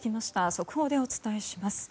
速報でお伝えします。